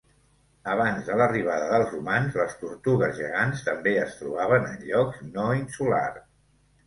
Abans de l'arribada dels humans les tortugues gegants també es trobaven en llocs no insulars.